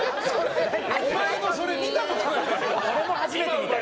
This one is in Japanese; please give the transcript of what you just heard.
お前のそれ、見たことないよ！